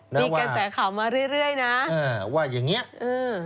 มีกระแสข่าวมาเรื่อยเรื่อยนะอ่าว่าอย่างเงี้ยเออ